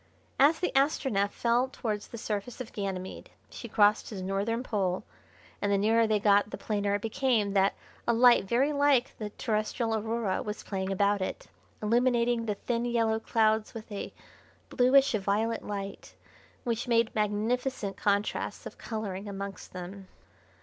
As the Astronef fell towards the surface of Ganymede she crossed his northern pole, and the nearer they got the plainer it became that a light very like the terrestrial Aurora was playing about it, illuminating the thin, yellow clouds with a bluish violet light, which made magnificent contrasts of colouring amongst them.